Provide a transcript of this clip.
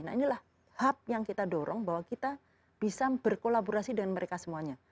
nah inilah hub yang kita dorong bahwa kita bisa berkolaborasi dengan mereka semuanya